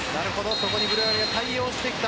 そこにブルガリアが対応してきた。